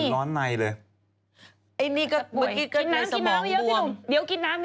มีรอยที่หน้า